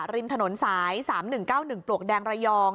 ริมถนนสาย๓๑๙๑ปลวกแดงระยอง